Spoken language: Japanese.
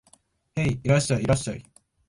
へい、いらっしゃい、いらっしゃい